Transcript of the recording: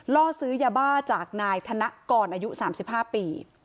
ล่อซื้อยาบ้าจากนายธนกรอายุ๓๕ปี